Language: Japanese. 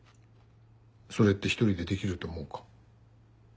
それって１人でできると思うか？